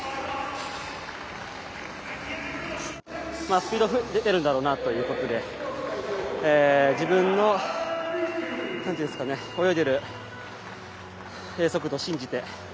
スピード出てるんだろうなということで自分の泳いでいる速度を信じて。